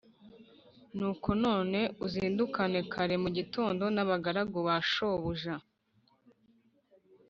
nuko none uzindukane kare mu gitondo n’abagaragu ba shobuja